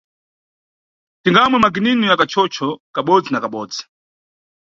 Tingamwe makininu ya kachocho kabodzi na kabodzi.